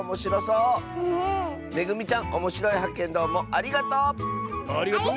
ありがとう！